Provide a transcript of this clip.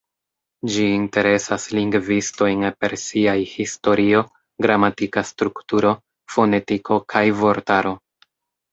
Ĝi interesas lingvistojn per siaj historio, gramatika strukturo, fonetiko kaj vortaro.